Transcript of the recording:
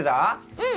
うん！